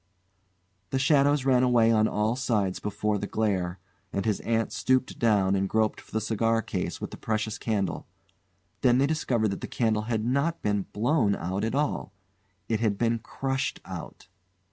The shadows ran away on all sides before the glare, and his aunt stooped down and groped for the cigar case with the precious candle. Then they discovered that the candle had not been blown out at all; it had been crushed out.